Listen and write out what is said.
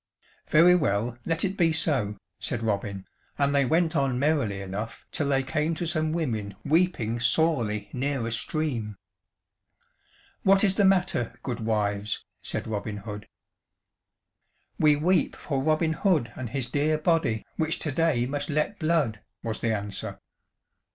"Very well, let it be so," said Robin, and they went on merrily enough till they came to some women weeping sorely near a stream. "What is the matter, good wives?" said Robin Hood. "We weep for Robin Hood and his dear body, which to day must let blood," was the answer.